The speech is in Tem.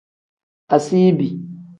Asiibi.